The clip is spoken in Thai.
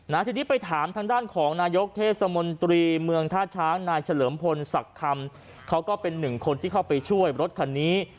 นายกเทศมนตรีเมืองท่าช้างนายเฉลิมพลศักดิ์คำเขาก็เป็นหนึ่งคนที่เข้าไปช่วยรถคันนี้